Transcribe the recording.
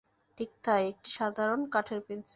ঠিক তাই, একটা সাধারণ কাঠের পেন্সিল।